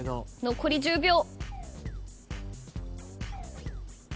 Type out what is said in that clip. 残り１０秒。